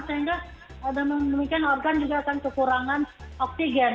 sehingga dengan demikian organ juga akan kekurangan oksigen